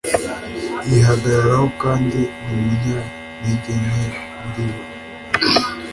yihagararaho kandi numunyantegenke muri we